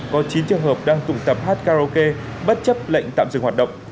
có chín trường hợp đang tụ tập hát karaoke bất chấp lệnh tạm dừng hoạt động